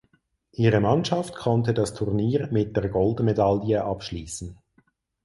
Ihre Mannschaft konnte das Turnier mit der Goldmedaille abschließen.